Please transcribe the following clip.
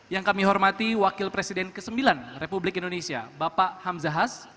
yang kami hormati wakil presiden ke sembilan republik indonesia bapak hamzahas